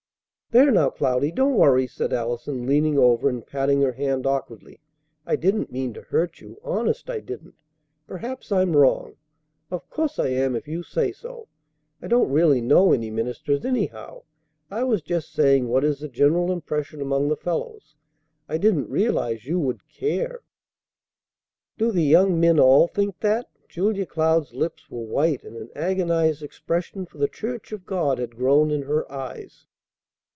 "There now, Cloudy, don't worry!" said Allison, leaning over and patting her hand awkwardly. "I didn't mean to hurt you; honest I didn't. Perhaps I'm wrong. Of course I am if you say so. I don't really know any ministers, anyhow. I was just saying what is the general impression among the fellows. I didn't realize you would care." "Do the young men all think that?" Julia Cloud's lips were white, and an agonized expression for the church of God had grown in her eyes.